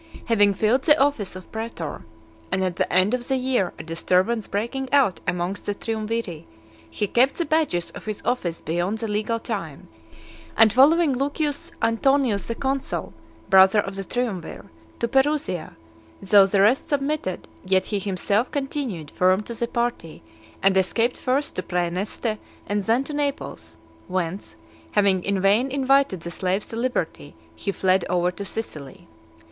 Having filled the office of praetor , and at the end of the year a disturbance breaking out amongst the triumviri, he kept the badges of his office beyond the legal time; and following Lucius Antonius the consul, brother of the triumvir, to Perusia , though the rest submitted, yet he himself continued firm to the party, and escaped first to Praeneste, and then to Naples; whence, having in vain invited the slaves to liberty, he fled over to Sicily.